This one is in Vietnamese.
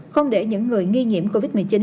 không để những người nghi nhiễm covid một mươi chín